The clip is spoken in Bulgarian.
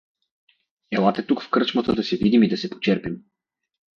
Елате тук в кръчмата да се видим и да се почерпим.